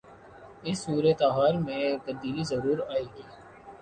اس صورتحال میں تبدیلی ضرور آئی ہے۔